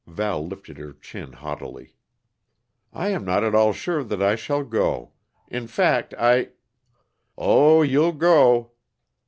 Val lifted her chin haughtily. "I am not at all sure that I shall go. In fact, I " "Oh, you'll go!"